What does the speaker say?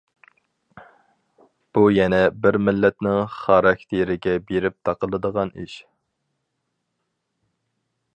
بۇ يەنە بىر مىللەتنىڭ خاراكتېرىگە بېرىپ تاقىلىدىغان ئىش.